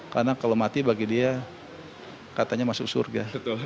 karena kalau mati bagi dia katanya masuk surga